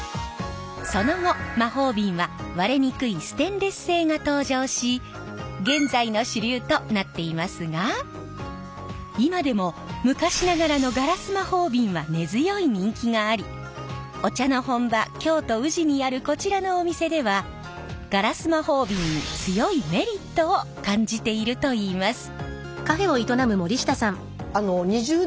その後魔法瓶は割れにくいステンレス製が登場し現在の主流となっていますが今でも昔ながらのガラス魔法瓶は根強い人気がありお茶の本場京都・宇治にあるこちらのお店ではガラス魔法瓶に強いメリットを感じているといいます。